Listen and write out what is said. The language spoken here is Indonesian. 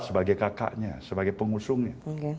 sebagai kakaknya sebagai pengusungnya